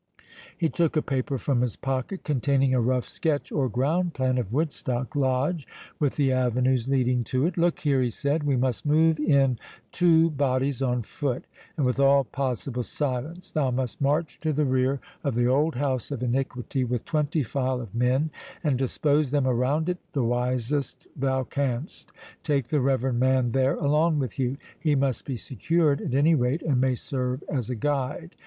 He took a paper from his pocket, containing a rough sketch or ground plan of Woodstock Lodge, with the avenues leading to it.—"Look here," he said, "we must move in two bodies on foot, and with all possible silence—thou must march to the rear of the old house of iniquity with twenty file of men, and dispose them around it the wisest thou canst. Take the reverend man there along with you. He must be secured at any rate, and may serve as a guide.